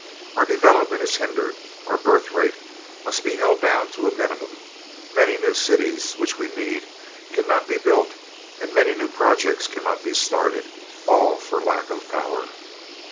Our development is hindered, our birth rate must be held down to a minimum, many new cities which we need cannot be built and many new projects cannot be started, all for lack of power.